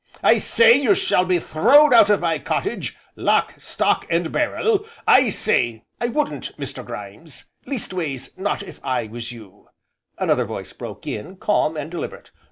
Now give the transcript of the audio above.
I say you shall be throwed out o' my cottage, lock, stock, and barrel. I say " "I wouldn't, Mr. Grimes, leastways, not if I was you," another voice broke in, calm and deliberate.